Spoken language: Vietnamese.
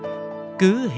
cứ hiển thị tình của anh